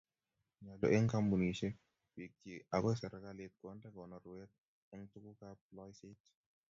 Nyolu eng kampunisyek, biik chichsk ako serikalit konde konorweet eng tuguukab loiseet